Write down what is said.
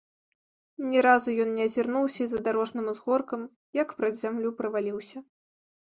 Ні разу ён не азірнуўся і за дарожным узгоркам як праз зямлю праваліўся.